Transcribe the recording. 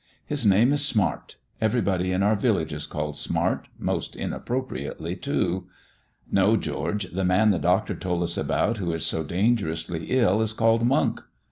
"His name is Smart. Everybody in our village is called Smart most inappropriately too." "No, George, the man the doctor told us about who is so dangerously ill is called Monk."